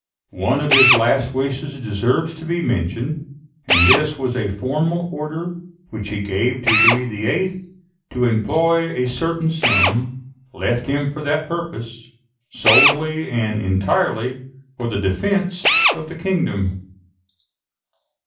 One of his last wishes deserves to be mentioned: and this was a formal order, which he gave to Louis VIII., to employ a certain sum, left him for that purpose, solely and entirely for the defence of the kingdom.